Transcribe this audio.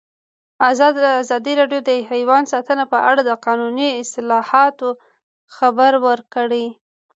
ازادي راډیو د حیوان ساتنه په اړه د قانوني اصلاحاتو خبر ورکړی.